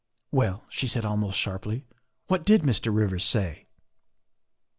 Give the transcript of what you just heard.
" Well," she said almost sharply, " what did Mr. Rivers say?"